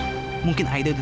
baik suami lain udah mati